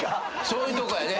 そういうとこやで。